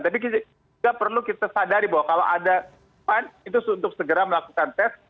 tapi tidak perlu kita sadari bahwa kalau ada covid sembilan belas itu untuk segera melakukan tes